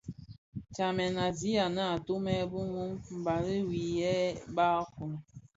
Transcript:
Tsamèn a zaňi anë atumè bi mum baňi wii lè barkun.